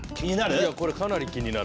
いやこれかなり気になる。